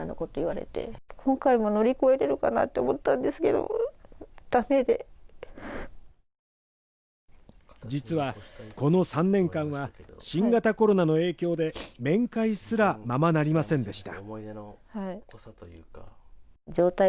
ところが、今年の３月実はこの３年間は、新型コロナの影響で面会すらままなりませんでした。